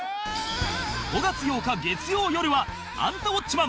５月８日月曜よるは『アンタウォッチマン！』